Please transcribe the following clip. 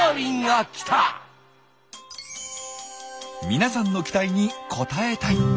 皆さんの期待に応えたい！